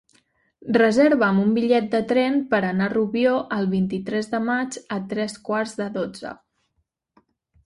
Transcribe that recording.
Reserva'm un bitllet de tren per anar a Rubió el vint-i-tres de maig a tres quarts de dotze.